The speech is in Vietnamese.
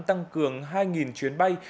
tăng cường hai chuyến bay